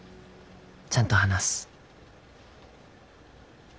ちゃんと話す。